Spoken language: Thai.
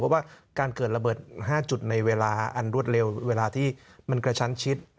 เพราะว่าการเกิดระเบิด๕จุดในเวลาอันรวดเร็วเวลาที่มันกระชั้นชิด